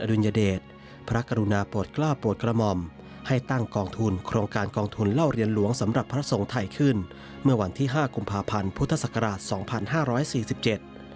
พระพิสุสมเนตพระกรุณาโปรดกล้าโปรดกระมอมให้ตั้งกองทุนโครงการกองทุนเล่าเรียนรวมสำหรับพระสงค์ไทยขึ้นเมื่อวันที่๕กุมภาพันธ์พุทธศักราช๒๕๔๗